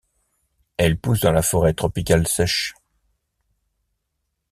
Elle pousse dans la forêt tropicale sèche.